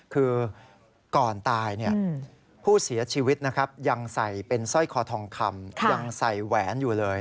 คือก่อนตายผู้เสียชีวิตนะครับยังใส่เป็นสร้อยคอทองคำยังใส่แหวนอยู่เลย